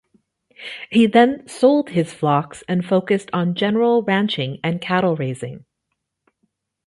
He then sold his flocks and focused on general ranching and cattle raising.